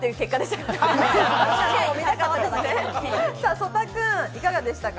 曽田君いかがでしたか？